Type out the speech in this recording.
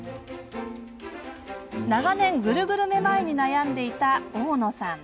長年グルグルめまいに悩んでいた大野さん。